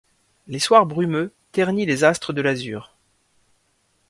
Le soir brumeux ternit les astres de l'azur.